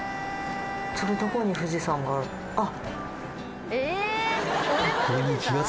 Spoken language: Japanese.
それどこに富士山が？あっ。